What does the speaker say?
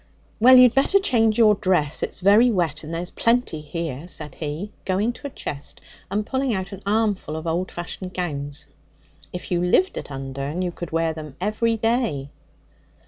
'Well, you'd better change your dress; it's very wet, and there's plenty here,' said he, going to a chest and pulling out an armful of old fashioned gowns. 'If you lived at Undern you could wear them every day.'